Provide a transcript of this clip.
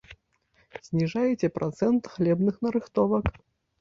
Зніжаеце працэнт хлебных нарыхтовак.